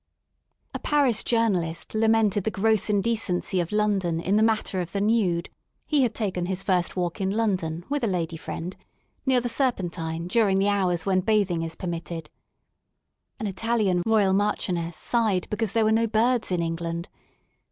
A Paris journalist lamented the gross indecency of London in the matter of the nude. He had taken his first walk in London with a lady friend, near the Serpentine, during the hours when bathing is permitted* An Italian royal Marchioness sighed because there were no birds in England.